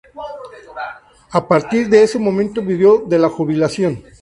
A partir de ese momento vivió de la jubilación.